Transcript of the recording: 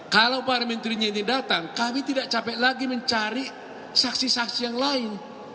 kalau para menterinya ini datang kami tidak capek lagi mencari saksi saksi yang lain